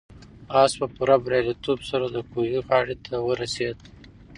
آس په پوره بریالیتوب سره د کوهي غاړې ته ورسېد.